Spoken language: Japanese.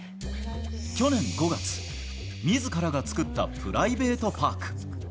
去年５月、みずからが作ったプライベートパーク。